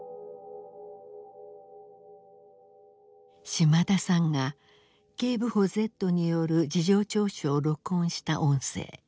島田さんが警部補Ｚによる事情聴取を録音した音声。